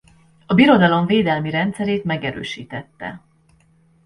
A birodalom védelmi rendszerét megerősítette.